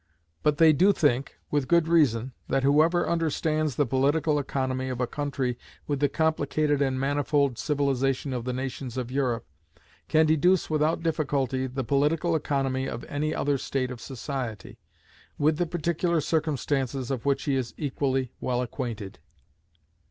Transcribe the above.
But they do think, with good reason, that whoever understands the political economy of a country with the complicated and manifold civilization of the nations of Europe, can deduce without difficulty the political economy of any other state of society, with the particular circumstances of which he is equally well acquainted.